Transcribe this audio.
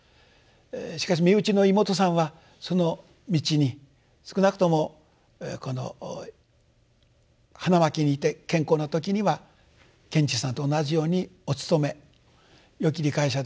しかし身内の妹さんはその道に少なくともこの花巻にいて健康な時には賢治さんと同じようにお勤めよき理解者でもあったと。